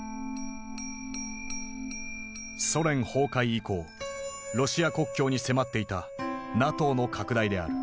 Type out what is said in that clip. ソ連崩壊以降ロシア国境に迫っていたＮＡＴＯの拡大である。